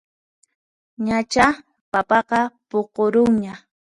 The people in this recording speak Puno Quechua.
Ñachá papaqa puqurunña